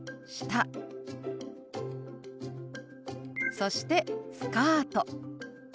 そして「スカート」。